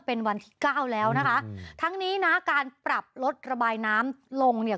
เป็นวันที่เก้าแล้วนะคะทั้งนี้นะการปรับลดระบายน้ำลงเนี่ย